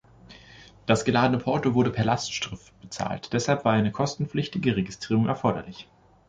Das geladene Porto wurde per Lastschrift bezahlt, deshalb war eine kostenpflichtige Registrierung erforderlich.